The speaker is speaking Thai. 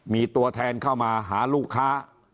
มีตัวแทนเข้ามาหาลูกค้า